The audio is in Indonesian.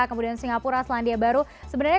kemudian singapura selandia baru sebenarnya